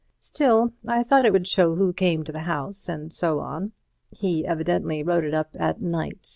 Still, I thought it would show who came to the house and so on. He evidently wrote it up at night.